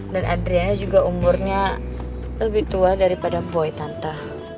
dan adriana juga umurnya lebih tua daripada boy tante